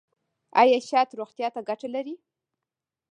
ایا شات روغتیا ته ګټه لري؟